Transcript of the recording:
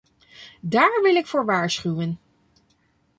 Daar wil ik voor waarschuwen.